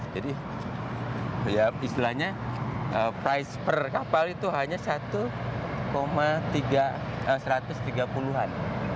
jadi ya istilahnya price per kapal itu hanya satu tiga ratus tiga puluh an